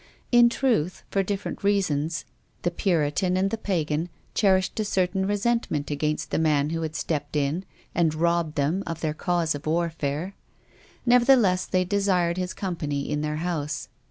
In truth, for different reasons, the Puritan and the "WILLIAM FOSTER." 129 pagan cherished a certain resentment against the man who had stepped in and robbed them of their cause of warfare. Nevertheless they desired his company in their house.